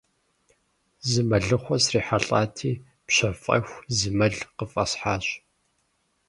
Зы мэлыхъуэ срихьэлӀати, пщэфӀэху, зы мэл къыфӀэсхьащ.